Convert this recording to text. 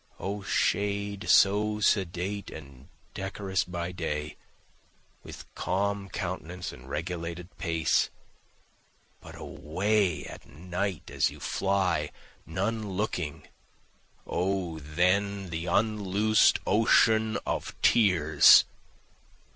O shade so sedate and decorous by day, with calm countenance and regulated pace, But away at night as you fly, none looking O then the unloosen'd ocean, Of tears!